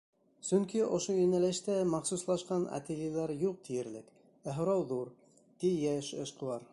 Сөнки ошо йүнәлештә махсуслашҡан ательелар юҡ тиерлек, ә һорау ҙур, — ти йәш эшҡыуар.